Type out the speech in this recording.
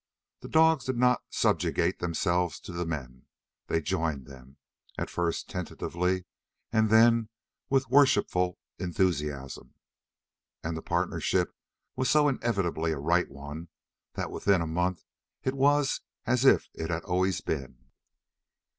The dogs did not subjugate themselves to the men. They joined them, at first tentatively, and then with worshipful enthusiasm. And the partnership was so inevitably a right one that within a month it was as if it had always been.